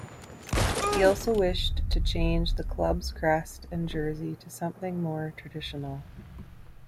He also wished to change the Club's crest and jersey to something more traditional.